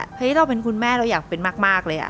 เพราะฉะนั้นเราเป็นคุณแม่เราอยากเป็นมากเลยอ่ะ